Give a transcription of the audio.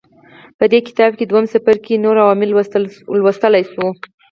په دې کتاب دویم څپرکي کې نور عوامل لوستل شوي وو.